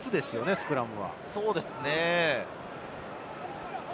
スクラムは。